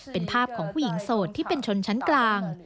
เป็นภาพของผู้หญิงโสดที่เป็นชนชั้นกลาง